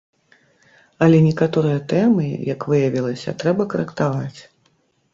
Але некаторыя тэмы, як выявілася, трэба карэктаваць.